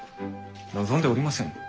望んでおりませぬ。